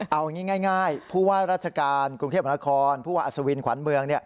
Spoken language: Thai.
เอางี้ง่ายผู้ว่าราชการกรุงเทพมนาคมผู้ว่าอัศวินขวัญเมือง